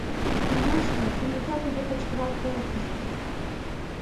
— Юмашне! — кенета тудо кычкырал колтыш.